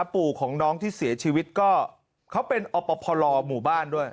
ปู่ของน้องที่เสียชีวิตก็เขาเป็นอปพลหมู่บ้านด้วย